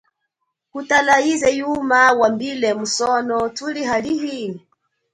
Kutala yize yuma wambile, musono thuli halihi?